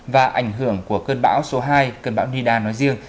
và ảnh hưởng của cơn bão số hai cơn bão nida nói riêng